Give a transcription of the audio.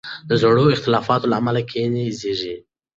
د زړو اختلافاتو له امله کینه زیږیږي.